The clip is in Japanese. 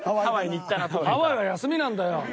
ハワイは休みなんだよ。